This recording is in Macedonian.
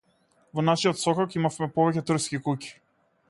Во нашиот сокак имавме повеќе турски куќи.